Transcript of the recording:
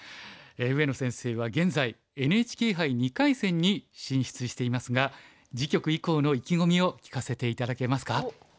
上野先生は現在ＮＨＫ杯２回戦に進出していますが次局以降の意気込みを聞かせて頂けますか？